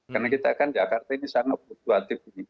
karena kita kan jakarta ini sangat fluktuatif